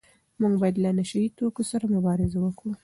موږ باید له نشه يي توکو سره مبارزه وکړو.